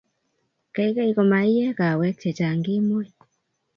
keikei ko ma iee kawek che chang kemoi